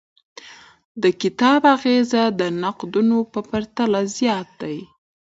د کتاب اغیز د نقدونو په پرتله زیات دی.